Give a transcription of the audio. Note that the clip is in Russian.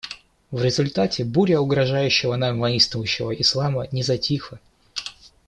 В результате буря угрожающего нам воинствующего ислама не затихла.